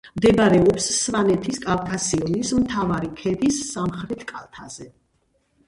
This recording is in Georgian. მდებარეობს სვანეთის კავკასიონის მთავარი ქედის სამხრეთ კალთაზე.